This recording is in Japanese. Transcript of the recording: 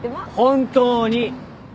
本当に！